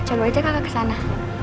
coba aja kakak kesana